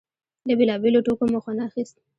له بېلابېلو ټوکو مو خوند اخيست.